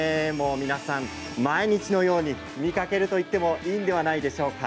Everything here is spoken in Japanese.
皆さん、毎日のように見かけるといってもいいのではないでしょうか。